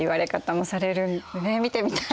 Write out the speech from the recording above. ねっ見てみたい。